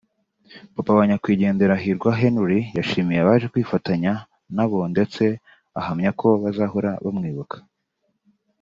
papa wa nyakwigendera Hirwa Henry yashimiye abaje kwifatanya nabo ndetse ahamyako bazahora bamwibuka